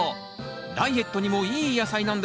ダイエットにもいい野菜なんですよね？